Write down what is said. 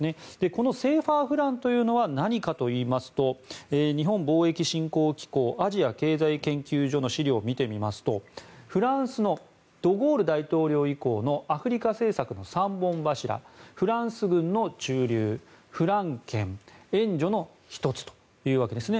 このＣＦＡフランというのは何かといいますと日本貿易振興機構アジア経済研究所の資料を見てみますとフランスのド・ゴール大統領以降のアフリカ政策の３本柱フランス軍の駐留、フラン圏援助の１つというわけです。